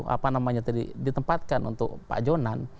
apa namanya tadi ditempatkan untuk pak jonan